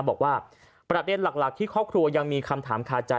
บอกว่าประเด็นหลักที่ครอบครัวยังมีคำถามคาใจ